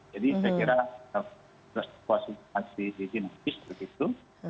jadi saya kira situasi masih tidak seperti itu